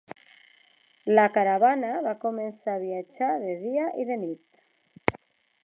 La caravana va començar a viatjar de dia i de nit.